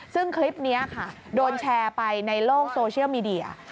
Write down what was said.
ซึ่งคลิปนี้ค่ะโดนแชร์ไปในโลกโซเชียลมีเดีย